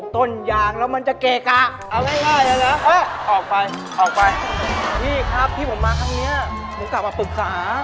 ถ้าอยากจะเป็นประตูมือกาว